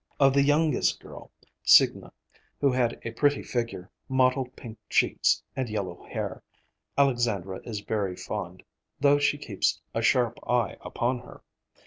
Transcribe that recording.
Of the youngest girl, Signa, who has a pretty figure, mottled pink cheeks, and yellow hair, Alexandra is very fond, though she keeps a sharp eye upon her.